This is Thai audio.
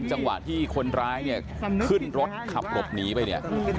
จังหวะที่คนร้ายเนี่ยขึ้นรถขับหลบหนีไปเนี่ย